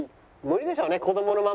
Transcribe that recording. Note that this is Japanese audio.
無理でしょうね。